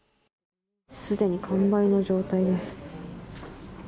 すでに完売の状態です。